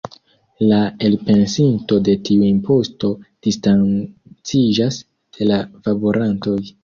La elpensinto de tiu imposto distanciĝas de la favorantoj.